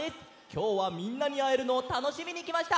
きょうはみんなにあえるのをたのしみにきました！